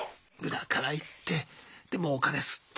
裏から行ってでもうお金スッと。